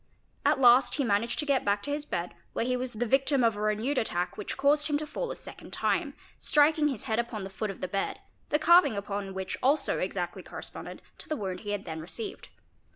At last he managed to get back 'to his bed where he was the victim of a renewed attack which caused him to fall a second time, striking his head upon the foot of the bed, the carving upon which also exactly corresponded to the wound he had then received.